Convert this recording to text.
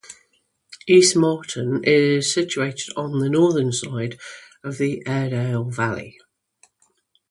East Morton is situated on the northern side of the Airedale valley.